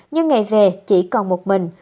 nhưng ngày về chỉ còn một mình